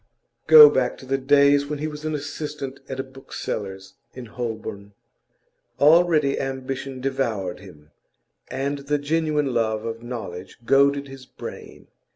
Go back to the days when he was an assistant at a bookseller's in Holborn. Already ambition devoured him, and the genuine love of knowledge goaded his brain.